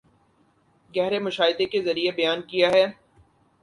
گہرے مشاہدے کے ذریعے بیان کیا ہے